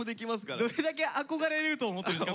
どれだけ憧れると思ってるんですか